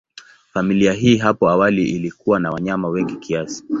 Familia hii hapo awali ilikuwa na wanyama wengi kiasi.